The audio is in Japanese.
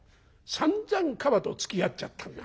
さんざんカバとつきあっちゃったんだ。